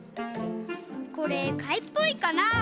これかいっぽいかな。